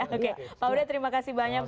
oke pak huda terima kasih banyak